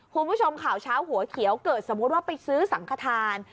คุณผู้ชมข่าวเช้าหัวเขียวเกิดสมมุติว่าไปซื้อสังขทาน